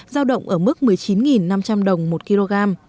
giao động ở mức một mươi chín năm trăm linh đồng một kg